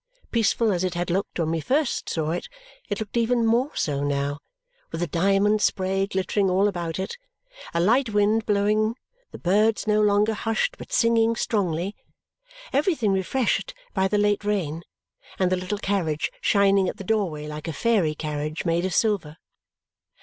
Peaceful as it had looked when we first saw it, it looked even more so now, with a diamond spray glittering all about it, a light wind blowing, the birds no longer hushed but singing strongly, everything refreshed by the late rain, and the little carriage shining at the doorway like a fairy carriage made of silver.